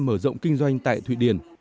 mở rộng kinh doanh tại thụy điển